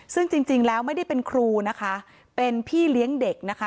ซึ่งจริงแล้วไม่ได้เป็นครูนะคะเป็นพี่เลี้ยงเด็กนะคะ